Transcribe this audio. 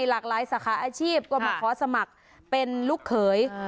หลากหลายสาขาอาชีพก็มาขอสมัครเป็นลูกเขย